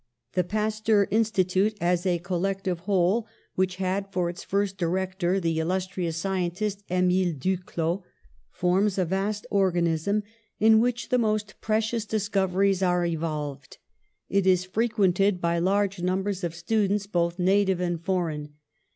186 PASTEUR The Pasteur Institute, as a collective whole, which had for its first director the illustrious scientist, Emile Duclaux, forms a vast organ ism, in which the most precious discoveries are evolved. It is frequented by large numbers of students, both native and foreign.